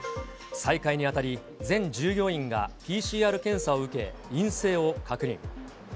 再開にあたり、全従業員がＰＣＲ検査を受け、陰性を確認。